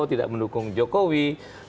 tidak mendukung jokowi